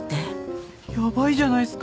ヤバいじゃないっすか。